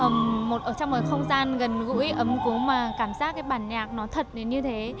ở trong một không gian gần gũi ấm cú mà cảm giác cái bản nhạc nó thật đến như thế